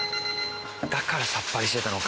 だからさっぱりしてたのか。